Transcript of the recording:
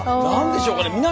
何でしょうかね。